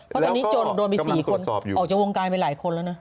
เพราะตอนนี้จนโดนไป๔คนออกจากวงการไปหลายคนแล้วนะ